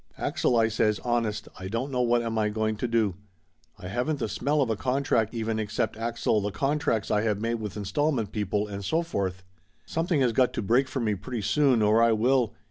"Axel," I says, "honest, I don't know what am I going to do! I haven't the smell of a contract, even, except, Axel, the contracts I have made with install ment people and so forth. Something has got to break for me pretty soon or I will.